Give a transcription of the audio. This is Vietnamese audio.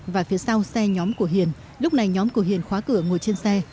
và phía sau xe nhóm của hiền lúc này nhóm của hiền khóa cửa ngồi trên xe